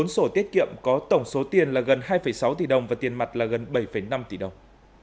bốn sổ tiết kiệm có tổng số tiền là gần hai sáu tỷ đồng và tiền mặt là gần bảy năm tỷ đồng